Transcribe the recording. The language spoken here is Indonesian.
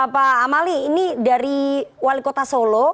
pak amali ini dari wali kota solo